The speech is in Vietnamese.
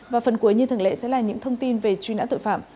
và phần cuối như thường lệ sẽ là những thông tin về truy nã tội phạm